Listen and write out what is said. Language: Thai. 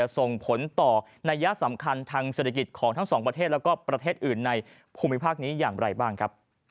ส่งผลต่อนัยสำคัญทางเศรษฐกิจของทั้งสองประเทศแล้วก็ประเทศอื่นในภูมิภาคนี้อย่างไรบ้างครับ